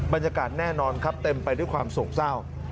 บรรยากาศแน่นอนครับเต็มไปด้วยความโศกเศร้า